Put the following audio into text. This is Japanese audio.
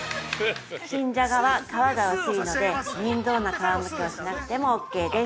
新じゃがは皮が薄いので面倒な皮むきはしなくてもオッケーです。